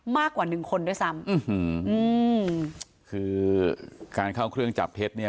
มากกว่าหนึ่งคนด้วยซ้ำอื้อหืออืมคือการเข้าเครื่องจับเท็จเนี่ย